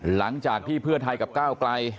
หลังจากที่เพื่อไทยกับก้าวไกล